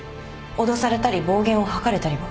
脅されたり暴言を吐かれたりは？